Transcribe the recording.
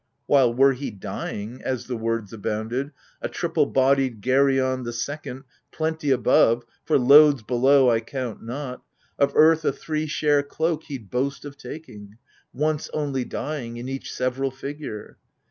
While, were he dying (as the words abounded) A triple bodied Geruon the Second, Plenty above — for loads below I count not — Of earth a three share cloak he'd boast of taking, Once only dying in each several figure